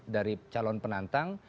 dari calon penantang